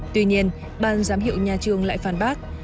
tuy nhiên ban giám hiệu nhà trường lại phản bác